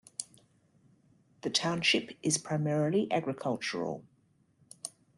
The township is primarily agricultural.